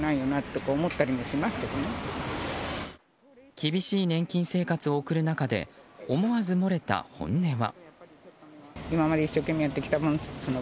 厳しい年金生活を送る中で思わず漏れた本音は。